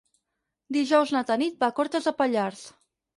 Dijous na Tanit va a Cortes de Pallars.